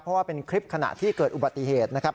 เพราะว่าเป็นคลิปขณะที่เกิดอุบัติเหตุนะครับ